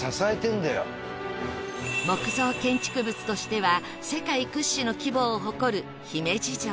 木造建築物としては世界屈指の規模を誇る姫路城